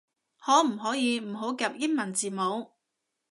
可唔可以唔好夾英文字母